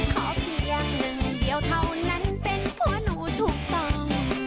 ขอเพียงหนึ่งเดียวเท่านั้นเป็นเพราะหนูถูกต้อง